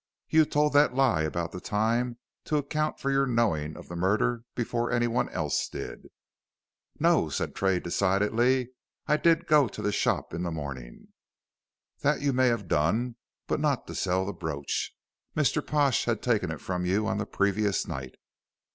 You told that lie about the time to account for your knowing of the murder before anyone else did." "No," said Tray, decidedly, "I did go to the shorp in th' mornin'." "That you may have done, but not to sell the brooch. Mr. Pash had taken it from you on the previous night."